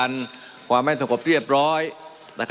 มันมีมาต่อเนื่องมีเหตุการณ์ที่ไม่เคยเกิดขึ้น